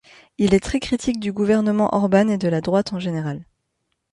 Il est très critique du gouvernement Orbán et de la droite en général.